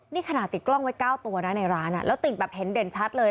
นี่ขนาดติดกล้องไว้๙ตัวนะในร้านแล้วติดแบบเห็นเด่นชัดเลย